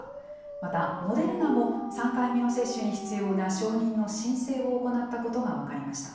また、モデルナも３回目の接種に必要な承認の申請を行ったことが分かりました。